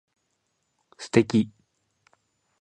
素敵